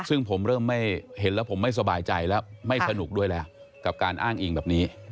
ซึ่งผมเริ่มไม่เห็นแล้วผมไม่สบายใจแล้วไม่สนุกด้วยแล้วกับการอ้างอิงแบบนี้